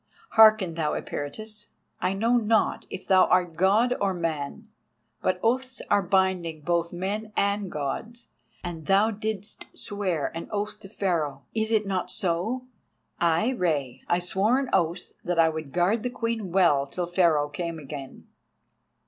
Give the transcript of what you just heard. Hearken, thou Eperitus, I know not if thou art God or man, but oaths are binding both on men and Gods, and thou didst swear an oath to Pharaoh—is it not so?" "Ay, Rei. I swore an oath that I would guard the Queen well till Pharaoh came again."